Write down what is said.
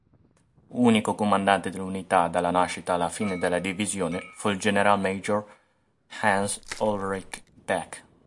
Unico comandante dell'unità, dalla nascita alla fine della divisione, fu il "generalmajor" Hans-Ulrich Back.